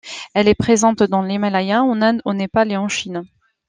Elle est présente dans l'Himalaya, en Inde, au Népal et en Chine.